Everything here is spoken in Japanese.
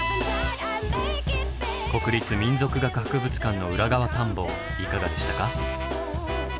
国立民族学博物館の裏側探訪いかがでしたか？